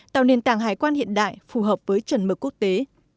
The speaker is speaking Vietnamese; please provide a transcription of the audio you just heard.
tạo nền tảng hải quan hiện đại phù hợp với chuẩn mực quốc tế